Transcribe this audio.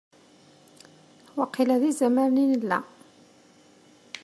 Waqila d izamaren i nella.